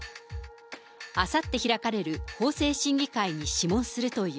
あさって開かれる法制審議会に諮問するという。